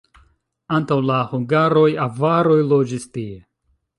Antaŭ la hungaroj avaroj loĝis tie.